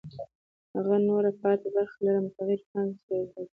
هغه نوره پاتې برخه له متغیرې پانګې سره یوځای کوي